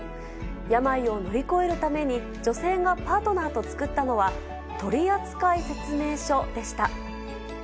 病を乗り越えるために、女性がパートナーと作ったのは、取り扱い説明書でした。